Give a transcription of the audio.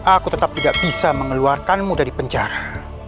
aku tetap tidak bisa mengeluarkanmu dari penjara